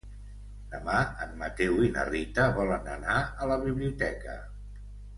Demà en Mateu i na Rita volen anar a la biblioteca.